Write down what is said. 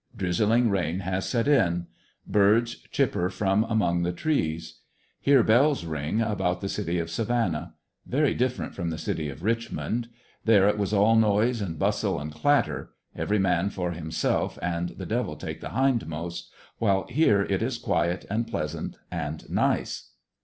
Drizzling rain has set in. Birds chipper from among the trees. Hear bells ring about the city of Savannah. Very different from the city of Richmond; there it was all noise and bustle and clatter, every man for himself and the devil take the hindmost, while here it is quiet and pleasant and nice.